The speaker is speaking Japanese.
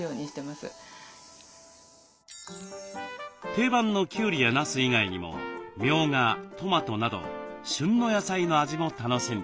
定番のきゅうりやなす以外にもみょうがトマトなど旬の野菜の味も楽しんでいます。